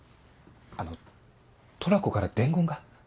あのトラコから伝言が。